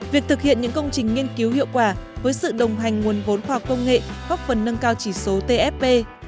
việc thực hiện những công trình nghiên cứu hiệu quả với sự đồng hành nguồn vốn khoa học công nghệ góp phần nâng cao chỉ số tfp